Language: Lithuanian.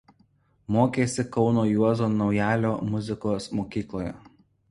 Mokėsi Kauno Juozo Naujalio muzikos mokykloje.